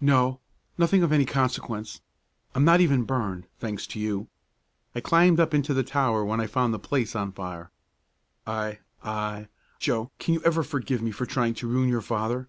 "No nothing of any consequence. I'm not even burned, thanks to you. I climbed up into the tower when I found the place on fire. I I Joe, can you ever forgive me for trying to ruin your father?"